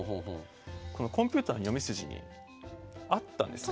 このコンピューターの読み筋にあったんですよね。